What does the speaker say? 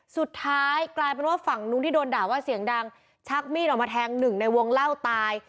สุดท้ายกลายเป็นว่าฝั่งนู้นที่โดนด่าว่าเสียงดังชักมีดออกมาแทงหนึ่งในวงเล่าตาย